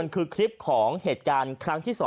คือคลิปของเหตุการณ์ครั้งที่๒